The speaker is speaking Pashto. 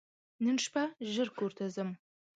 نن شپه ژر کور ته ځم !